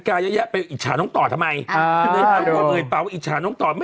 ครับผม